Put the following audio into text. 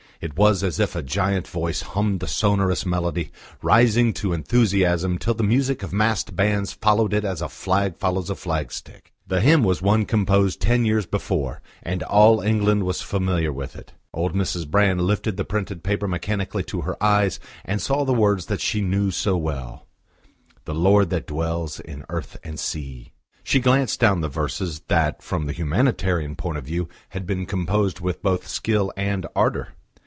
It was as if a giant voice hummed the sonorous melody, rising to enthusiasm till the music of massed bands followed it as a flag follows a flag stick. The hymn was one composed ten years before, and all England was familiar with it. Old Mrs. Bland lifted the printed paper mechanically to her eyes, and saw the words that she knew so well: "The Lord that dwells in earth and sea." ... She glanced down the verses, that from the Humanitarian point of view had been composed with both skill and ardour.